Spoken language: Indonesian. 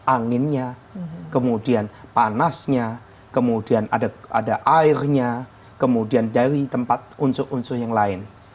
anginnya kemudian panasnya kemudian ada airnya kemudian dari tempat unsur unsur yang lain